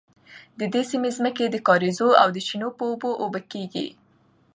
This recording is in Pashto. د دې سیمې ځمکې د کاریزونو او چینو په اوبو اوبه کیږي.